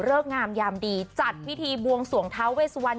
เลิกงามยามดีจัดวิธีบวงส่วงเท้าเวสัวน